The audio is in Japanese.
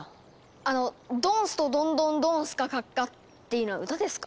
あの「ドンストドンドンドンスカカッカ」っていうのは歌ですか？